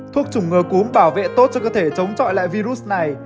thuốc chủng ngừa cúm bảo vệ tốt cho cơ thể chống chọi lại virus này